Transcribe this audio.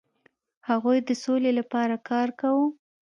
هغوی د سولې لپاره کار کاوه.